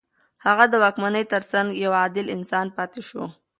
هغه د واکمنۍ تر څنګ يو عادل انسان پاتې شو.